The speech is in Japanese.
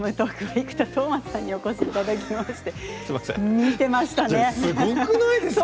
生田斗真さんにお越しいただきました。